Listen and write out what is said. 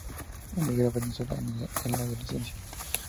Emigró a Venezuela en la adolescencia.